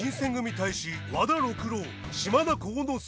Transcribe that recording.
隊士和田六郎島田幸之介。